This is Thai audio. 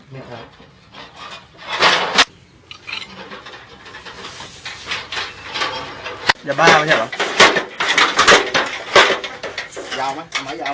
พี่เป็นไงบ้างเนี่ย